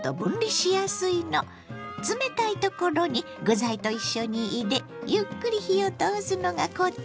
冷たいところに具材と一緒に入れゆっくり火を通すのがコツ。